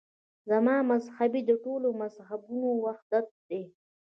زما مذهب د ټولو مذهبونو وحدت دی.